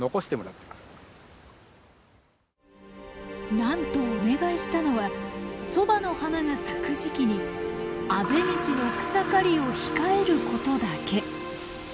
なんとお願いしたのはソバの花が咲く時期にあぜ道の草刈りを控えることだけ。